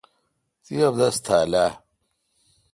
تی ابدس تھال اہ؟